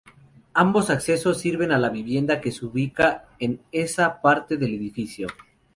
Ambos accesos sirven a la vivienda que se ubica en esa parte del edificio.